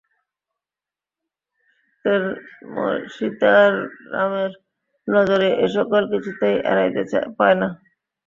সীতারামের নজরে এ সকল কিছুতেই এড়াইতে পায় না।